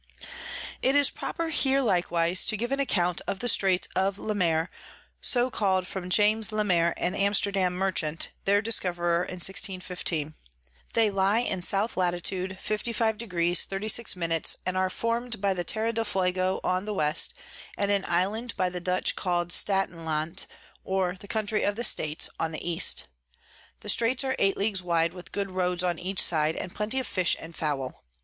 _] It is proper here likewise to give an Account of the Straits of Le Maire, so call'd from James Le Maire an Amsterdam Merchant, their Discoverer in 1615. They lie in S. Lat. 55. 36. and are form'd by the Terra del Fuego on the West, and an Island by the Dutch call'd Staten landt, or the Country of the States, on the E. The Straits are 8 Leagues wide, with good Roads on each side, and plenty of Fish and Fowl.